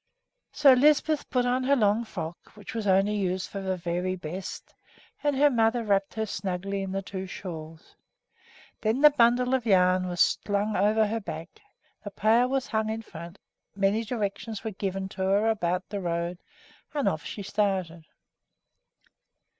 So Lisbeth put on her long frock, which was used only for very best, and her mother wrapped her up snugly in the two shawls. Then the bundle of yarn was slung over her back, the pail was hung in front, many directions were given to her about the road, and off she started.